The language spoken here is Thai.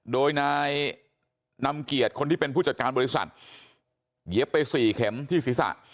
โดยนายนำเกียรติคนที่เป็นผู้จัดการบริษัทเย็บไปสี่เข็มที่ศีรษะ